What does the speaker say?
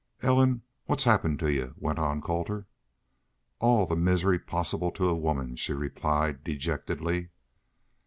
"Ellen, what's happened to y'u?" went on Colter. "All the misery possible to a woman," she replied, dejectedly.